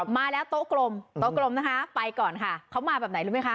มาแล้วโต๊ะกลมโต๊ะกลมนะคะไปก่อนค่ะเขามาแบบไหนรู้ไหมคะ